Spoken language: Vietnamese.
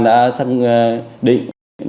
đã xác định